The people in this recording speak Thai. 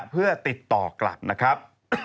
เพื่อติดต่อกลับนะครับ